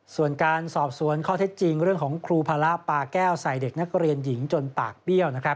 ส่วนการสอบสวนข้อเท็จจริงเรื่องของครูภาระปาแก้วใส่เด็กนักเรียนหญิงจนปากเบี้ยวนะครับ